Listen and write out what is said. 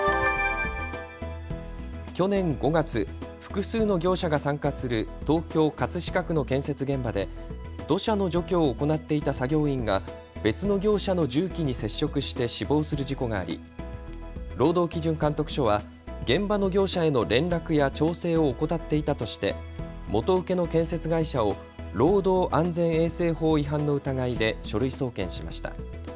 去年５月、複数の業者が参加する東京葛飾区の建設現場で土砂の除去を行っていた作業員が別の業者の重機に接触して死亡する事故があり労働基準監督署は現場の業者への連絡や調整を怠っていたとして元請けの建設会社を労働安全衛生法違反の疑いで書類送検しました。